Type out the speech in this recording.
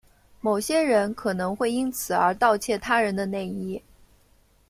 某些人可能会因此而窃盗他人的内衣。